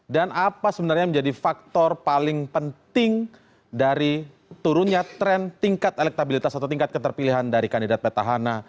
dan apa sebenarnya menjadi faktor paling penting dari turunnya trend tingkat elektabilitas atau tingkat keterpilihan dari kandidat petahana